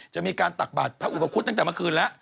จะมีการตักบาทพระอุปคุฎตั้งแต่เมื่อคืนแล้ว